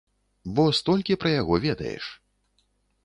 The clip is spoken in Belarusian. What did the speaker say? Бо столькі пра яго ведаеш.